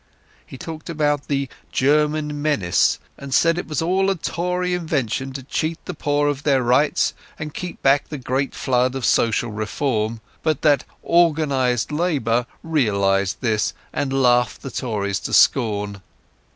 He talked about the "German menace", and said it was all a Tory invention to cheat the poor of their rights and keep back the great flood of social reform, but that "organized labour" realized this and laughed the Tories to scorn.